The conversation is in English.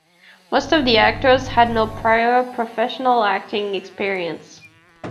Most of the actors had no prior professional acting experience.